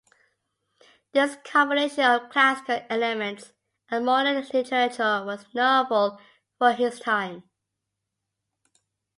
This combination of classical elements and modern literature was novel for his time.